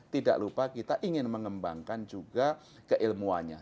tidak lupa kita ingin mengembangkan juga keilmuannya